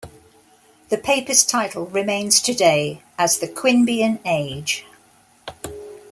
The paper's title remains today as the "Queanbeyan Age".